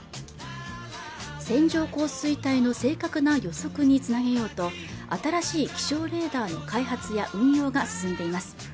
線状降水帯の正確な予測につなげようと新しい気象レーダーの開発や運用が進んでいます